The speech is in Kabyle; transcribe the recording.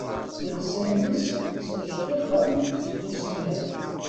Iɣsan-is ttnejqiqen seg usemmiḍ.